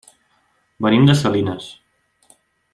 Venim de Salinas.